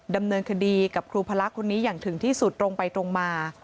ดำเนินคดีกับครูพระคนนี้อย่างถึงที่สุดตรงไปตรงมา